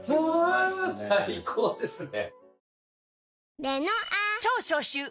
最高ですね。